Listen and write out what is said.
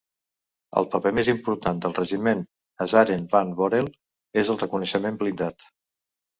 El paper més important del regiment Huzaren van Boreel és el reconeixement blindat.